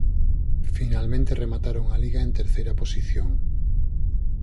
Finalmente remataron a liga en terceira posición.